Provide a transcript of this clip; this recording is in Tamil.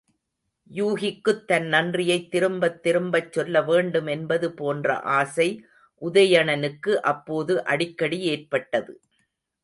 யூகிக்குத் தன் நன்றியைத் திரும்பத் திரும்பச் சொல்லவேண்டும் என்பது போன்ற ஆசை உதயணனுக்கு அப்போது அடிக்கடி ஏற்பட்டது.